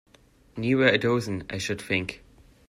Nearer a dozen, I should think.